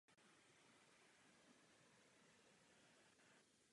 V teráriu musí být množství úkrytů převyšující počet štírů.